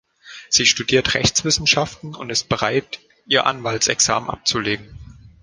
Sie studiert Rechtswissenschaften und ist bereit, ihr Anwaltsexamen abzulegen.